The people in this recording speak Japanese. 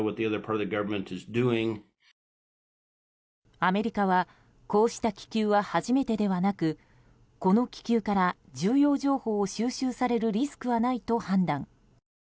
アメリカはこうした気球は初めてではなくこの気球から、重要情報を収集されるリスクはないと判断。